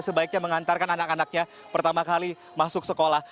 sebaiknya mengantarkan anak anaknya pertama kali masuk sekolah